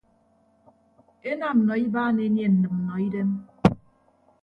Enam nọ ibaan enie nnịmnnọidem.